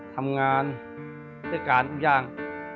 ทำงานเพื่อการทุกอย่าง